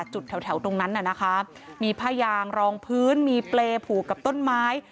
จุดแถวตรงนั้นน่ะนะคะมีผ้ายางรองพื้นมีเปรย์ผูกกับต้นไม้